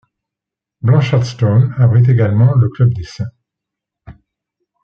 Blanchardstown abrite également le club des St.